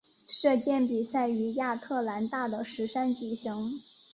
射箭比赛于亚特兰大的石山举行。